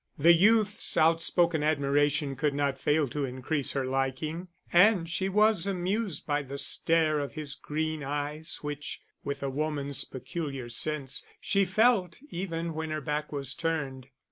The youth's outspoken admiration could not fail to increase her liking; and she was amused by the stare of his green eyes, which, with a woman's peculiar sense, she felt even when her back was turned.